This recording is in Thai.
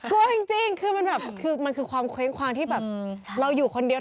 กลัวจริงคือมันแบบคือมันคือความเคว้งคว้างที่แบบเราอยู่คนเดียว